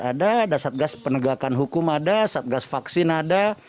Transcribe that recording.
ada ada satgas penegakan hukum ada satgas vaksin ada